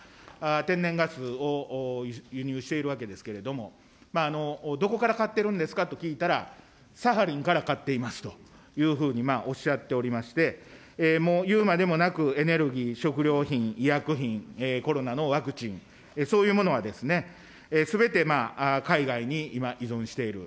天然ガスを輸入しているわけですけれども、どこから買ってるんですかと聞いたら、サハリンから買っていますというふうにおっしゃっておりまして、もういうまでもなく、エネルギー、食料品、医薬品、コロナのワクチン、そういうものはすべて海外に今、依存している。